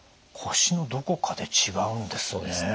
腰のどこかで違うんですね。